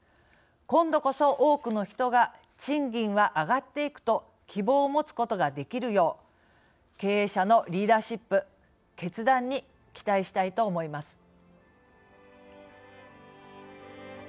今度こそ、多くの人が賃金は上がっていくと希望を持つことができるよう経営者のリーダーシップ決断に期待したいと思います。